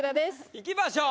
いきましょう。